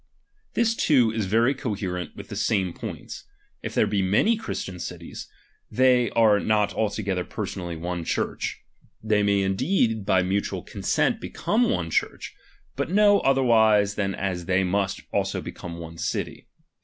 This too is very coherent with the same ;.i,. points : if there be many Christian cities, they are not altogether personally one Church. They RELIGION. 279 TMnay indeed by mutual consent become one Church, \ T)ut no otherwise than as they must also become «De city.